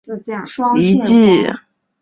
布罗德盖石圈是新石器时代遗迹。